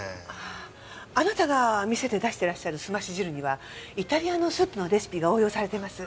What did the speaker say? あなたが店で出してらっしゃるすまし汁にはイタリアのスープのレシピが応用されてます。